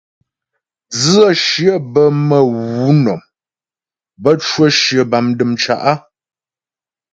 Dzə̌shyə bə́ mə̌ wǔ nɔm, bə́ cwə shyə bâ dəm cǎ'.